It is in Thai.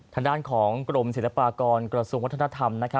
ทางด้านของกรมศีลปากรกระสูงวัฒนธรรมนะคะ